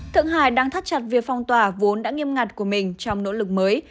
thượng hải đang thắt chặt việc phong tỏa vốn đã nghiêm ngặt của mình trong nỗ lực mới